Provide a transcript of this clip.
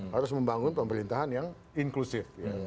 harus membangun pemerintahan yang inklusif